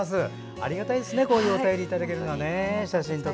ありがたいですね、こういうお便り、写真をいただけるのは。